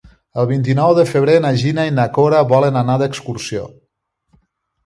El vint-i-nou de febrer na Gina i na Cora volen anar d'excursió.